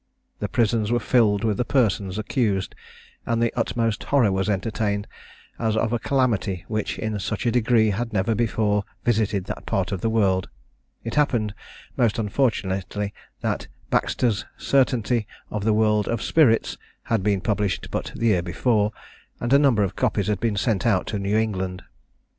The prisons were filled with the persons accused, and the utmost horror was entertained, as of a calamity which in such a degree had never before visited that part of the world. It happened, most unfortunately, that Baxter's "Certainty of the World of Spirits" had been published but the year before, and a number of copies had been sent out to New England.